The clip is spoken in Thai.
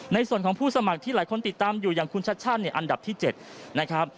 ในส่วนของผู้สมัครที่หลายคนติดตามอยู่อย่างคุณชัชชั่นเนี่ยอันดับที่๗นะครับ